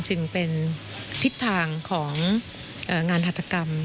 จึงเป็นทิศทางของงานหัตกรรม